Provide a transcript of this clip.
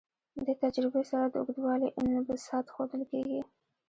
دې تجربې سره د اوږدوالي انبساط ښودل کیږي.